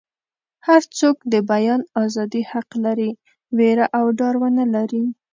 هر څوک د بیان ازادي حق لري ویره او ډار ونه لري.